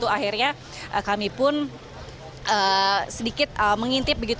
akhirnya kami pun sedikit mengintip